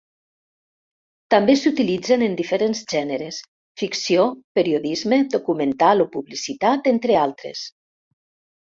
També s'utilitzen en diferents gèneres: ficció, periodisme, documental o publicitat, entre altres.